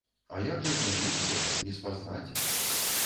А як жа змяніўся, не спазнаць!